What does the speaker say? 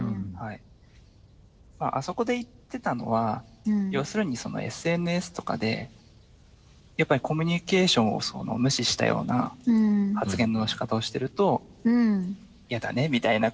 あそこで言ってたのは要するにＳＮＳとかでやっぱりコミュニケーションを無視したような発言のしかたをしてると嫌だねみたいな。